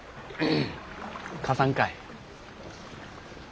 貸さんかい。